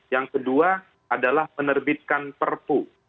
yang kedua adalah menerbitkan perpu